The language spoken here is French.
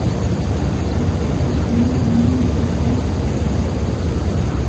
Cela permit d’obtenir une meilleure cohérence de l'ensemble.